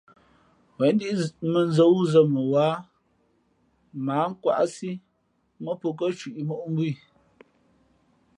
Wěn ndíʼ mᾱnzᾱ wúzᾱ mα wáha mα ǎ nkwáʼsí mά pó kάcwiʼ moʼ mbú í.